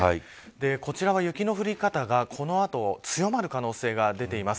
こちらは雪の降り方が、この後強まる可能性が出ています。